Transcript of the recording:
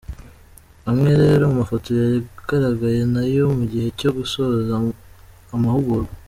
Amwe rero mu mafoto yagaragaye n’ayo mu gihe cyo gusoza amahugurwa.